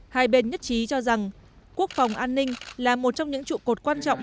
hai bên nhất trí cho rằng quốc phòng an ninh là một trong những trụ cột quan trọng